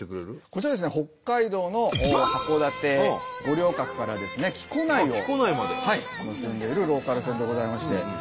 こちらですね北海道の函館五稜郭から木古内を結んでいるローカル線でございまして。